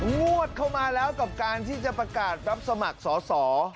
งวดเข้ามาแล้วกับการที่จะประกาศรับสมัครสอสอ